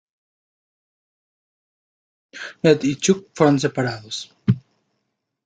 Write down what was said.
Ned y Chuck fueron separados.